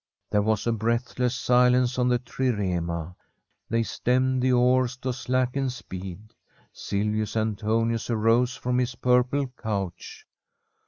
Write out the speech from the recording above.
There was a breathless silence on the trirema. They stemmed the oars to slacken speed. Sil vius Antonius arose from his purple couch.